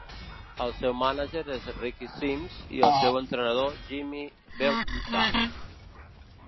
El seu mànager és Ricky Simms i el seu entrenador Jimmy Beauttah.